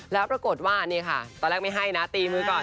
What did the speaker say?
แล้วปรากฏว่านี่ค่ะตอนแรกไม่ให้นะตีมือก่อน